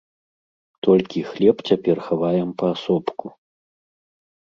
Толькі хлеб цяпер хаваем паасобку.